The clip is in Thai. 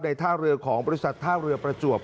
ท่าเรือของบริษัทท่าเรือประจวบ